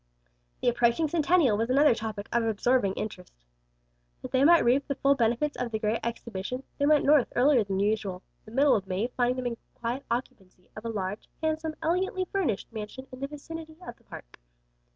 The approaching Centennial was another topic of absorbing interest. That they might reap the full benefit of the great Exhibition, they went North earlier than usual, the middle of May finding them in quiet occupancy of a large, handsome, elegantly furnished mansion in the vicinity of the Park.